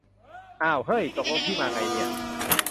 อ้าวเฮ้ย ตกลงพี่มาไงเนี่ย